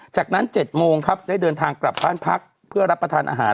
จากนั้น๗โมงครับได้เดินทางกลับบ้านพักเพื่อรับประทานอาหาร